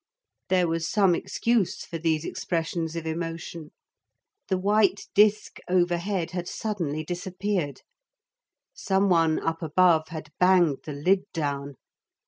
There was some excuse for these expressions of emotion. The white disk overhead had suddenly disappeared. Some one up above had banged the lid down.